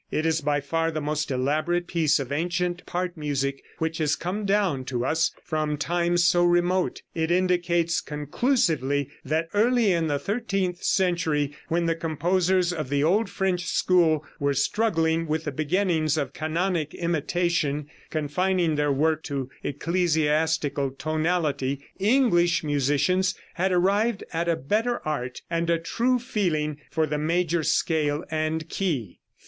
It is by far the most elaborate piece of ancient part music which has come down to us from times so remote. It indicates conclusively that early in the thirteenth century, when the composers of the old French school were struggling with the beginnings of canonic imitation, confining their work to ecclesiastical tonality, English musicians had arrived at a better art and a true feeling for the major scale and key.